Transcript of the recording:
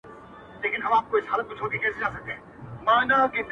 له یوه کونجه تر بله پوري تلله؛